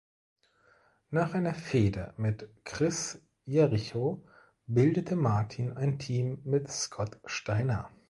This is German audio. Nach einer Fehde mit Chris Jericho bildete Martin ein Team mit Scott Steiner.